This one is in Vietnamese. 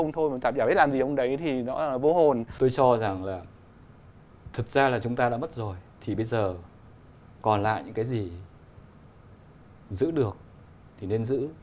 thì bây giờ còn lại những cái gì giữ được thì nên giữ